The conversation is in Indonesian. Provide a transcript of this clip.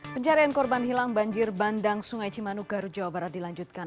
pencarian korban hilang banjir bandang sungai cimanuk garut jawa barat dilanjutkan